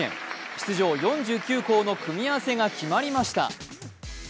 出場４９校の組み合わせが決まりました。